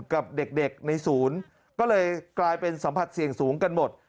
กับเด็กในศูนย์ก็เลยกลายเป็นสัมผัสเสี่ยงสูงกันหมด